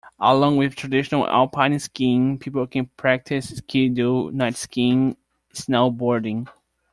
Along with traditional alpine skiing, people can practice ski-doo, night skiing, snow boarding.